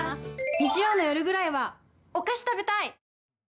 日曜の夜ぐらいはお菓子食べたい！